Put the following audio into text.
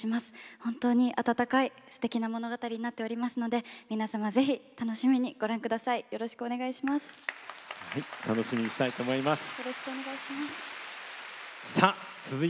本当に温かいすてきな物語になっていますので皆様、ぜひ楽しみにご覧ください。